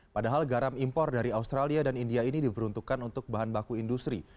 padahal garam impor dari australia dan india ini diperuntukkan untuk bahan baku industri